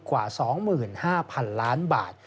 กว่า๒๕๐๐๐ล้านบาท